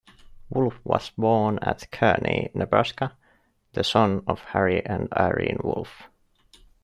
Wolf was born at Kearney, Nebraska, the son of Harry and Irene Wolf.